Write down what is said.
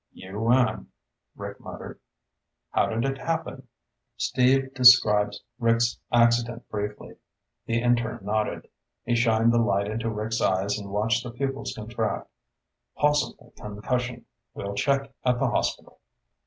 "You win," Rick muttered. "How did it happen?" Steve described Rick's accident briefly. The intern nodded. He shined the light into Rick's eyes and watched the pupils contract. "Possible concussion. We'll check at the hospital."